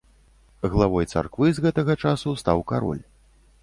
Главой царквы з гэтага часу стаў кароль.